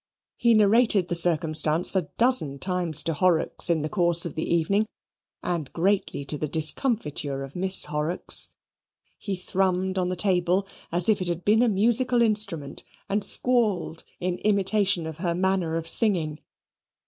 He narrated the circumstance a dozen times to Horrocks in the course of the evening, and greatly to the discomfiture of Miss Horrocks. He thrummed on the table as if it had been a musical instrument, and squalled in imitation of her manner of singing.